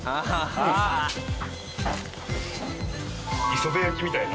磯辺焼きみたいな？